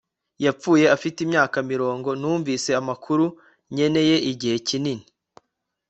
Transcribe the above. yapfuye afite imyaka mirongo numvise amakuru. nkeneye igihe kinini